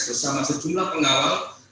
bersama sejumlah pengawal